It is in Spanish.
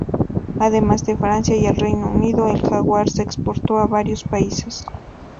Además de Francia y el Reino Unido, el Jaguar se exportó a varios países.